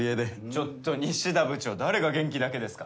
ちょっと西田部長誰が元気だけですか